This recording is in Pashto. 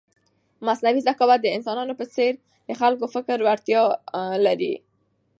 مصنوعي ذکاوت د انسانانو په څېر د فکر کولو وړتیا لري.